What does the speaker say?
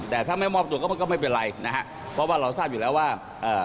แต่ถ้าไม่มอบตัวก็มันก็ไม่เป็นไรนะฮะเพราะว่าเราทราบอยู่แล้วว่าเอ่อ